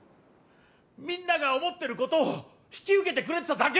みんなが思ってることを引き受けてくれてただけなんだよ。